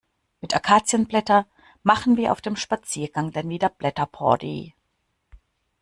Mit Akazienblätter machen wir auf dem Spaziergang dann wieder Blätterparty.